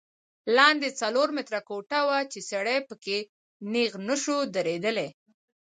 لاندې څلور متره کوټه وه چې سړی په کې نیغ نه شو درېدلی.